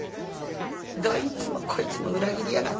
どいつもこいつも裏切りやがって。